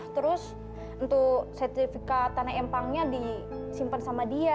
terus untuk sertifikat tanah empangnya disimpan sama dia